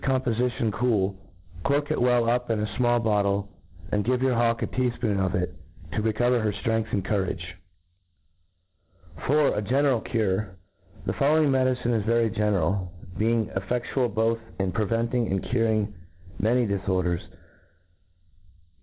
compofition cool ; cork it well up in a fmall bottle ; and give your hawk a tea fpoonful of it, to recover her ftr^ng^th and courage. 4. *A General Cure. The following medicine is very general, be ing cflFe£tual both in preventing and curing ma ny diforders.